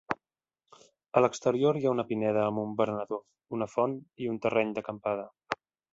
A l'exterior hi ha una pineda amb un berenador, una font i un terreny d'acampada.